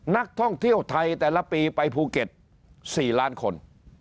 นักท่องเที่ยวไทยแต่ละปีไปภูเก็ต๔ล้านคน